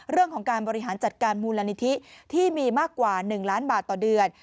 เรื่องของการบริหารจัดการมูลนิธิที่มีมากกว่า๑ล้านบาทต่อเดือน